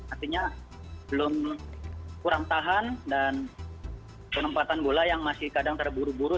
artinya belum kurang tahan dan penempatan bola yang masih kadang terburu buru